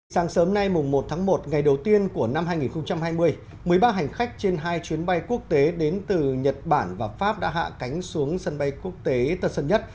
sáng sớm nay một một ngày đầu tiên của năm hai nghìn hai mươi một mươi ba hành khách trên hai chuyến bay quốc tế đến từ nhật bản và pháp đã hạ cánh xuống sân bay quốc tế tân sơn nhất